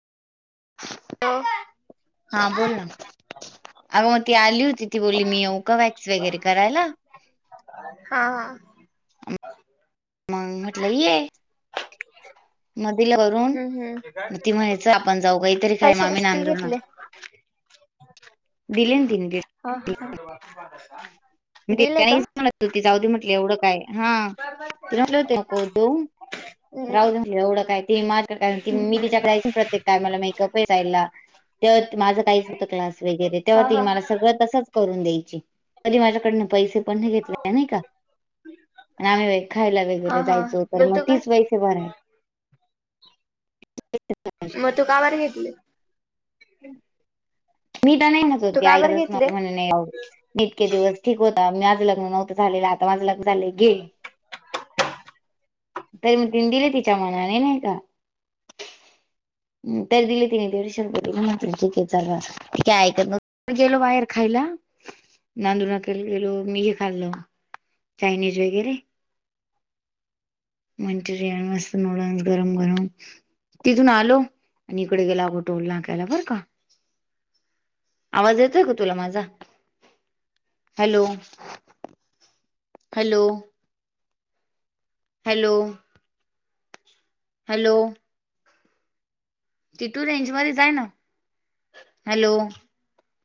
हा हा बोलला. अगं मग ती आली होती ती बोलली मी ओका वॅक्स वगैरे करायला हा हा. मग म्हटलं ये मधला ग हम्म ती म्हणायचं आपण जाऊ काहीतरी खय पैसे मामी कसतील नांदव घेतले दिलेन ती गे. हा ह. म ते त्या म्हट होतीिऊधी म्हटलं एवढं काय हा ति म्हटलं होतक दो हम्म राहत एवढं काय त माझ मीिच्याकडे जायच प्रत्येक काय मला मेकअप जाला तेव्हा माझं काहीच होतं क्लास वगैरे हा तेव्हा हा मला सगळं तसंच करून द्यायची कधी माझ्याकडन पैसे पण घेतले नाही का. आम्ही खायला हा वगैरे हा जायचो तर तू मग का तच वै ते बार आहे. मग तू कावर घेतली मी तर नाही नच तू होते का आईला बर तरच ना त घेतले म्हण नाही आव इतके दिवस ठीक होता मीझं लग्न नव्हतं झालेलं आता माझं लग्न झालं घे. तरी मग त दिले तिच्या मनाने नाही का? दिले तिने तेवष जके चालवा. ते काय ऐक ना गेलो बाहेर खायला. नांदूून के गेलो मी हे खाल्लो चायनीज वगैरे मंचुरियन मस्त नूडल्स गरम गरम तिथून आलो आणि इकडे गेला अगो टोल नाकायला बर का? आवाज येतोय का तुला माझा हॅलो. हॅलो. हॅलो. हॅलो. तिथू रेंज म जाय ना हॅलो